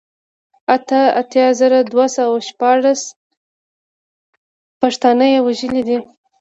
اته اتيا زره دوه سوه شپاړل پښتانه يې وژلي دي